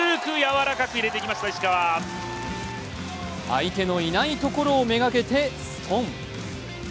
相手のいないところを目がけてストン。